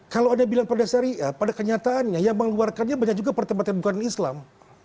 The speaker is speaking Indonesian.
kalau anda bilang pada syariah pada kenyataannya yang mengeluarkannya banyak juga pertempatan bukan islam